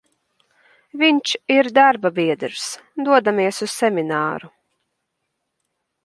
Vinš ir darbabiedrs, dodamies uz semināru.